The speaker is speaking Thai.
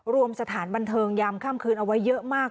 รวมสถานบันเทิงยามค่ำคืนเอาไว้เยอะมาก